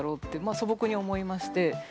素朴に思いまして。